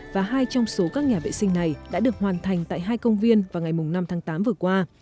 và hai trong số các nhà vệ sinh này đã được hoàn thành tại hai công viên vào ngày năm tháng tám vừa qua